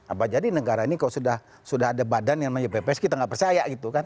apa jadi negara ini kalau sudah ada badan yang namanya bps kita nggak percaya gitu kan